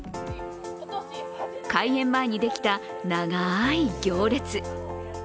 開園前にできた長い行列。